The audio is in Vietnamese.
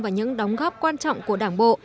và những đóng góp quan trọng của đảng bộ